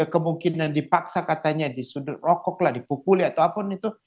kemungkinan dipaksa katanya disudut rokok lah dipukuli atau apapun itu